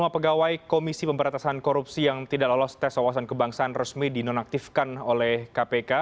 lima pegawai komisi pemberatasan korupsi yang tidak lolos tes wawasan kebangsaan resmi dinonaktifkan oleh kpk